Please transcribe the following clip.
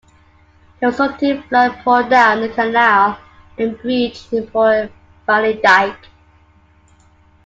The resulting flood poured down the canal and breached an Imperial Valley dike.